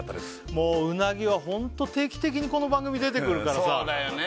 もううなぎはホント定期的にこの番組出てくるからさそうだよね